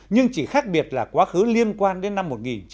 nhưng chỉ khác biệt là quá khứ liên quan đến năm một nghìn chín trăm bảy mươi năm